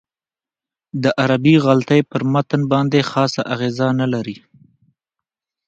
دا عربي غلطۍ پر متن باندې خاصه اغېزه نه لري.